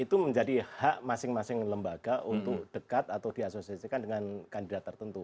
itu menjadi hak masing masing lembaga untuk dekat atau diasosiasikan dengan kandidat tertentu